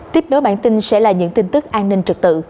tiếp nối bản tin sẽ là những tin tức an ninh trật tự